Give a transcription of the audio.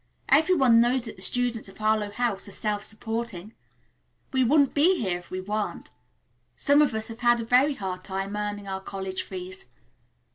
Every one knows that the students of Harlowe House are self supporting. We wouldn't be here if we weren't. Some of us have a very hard time earning our college fees.